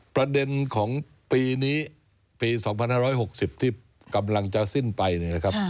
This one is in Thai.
ประเด็นของปีนี้ปี๒๕๖๐ที่กำลังจะสิ้นไปเนี่ยนะครับ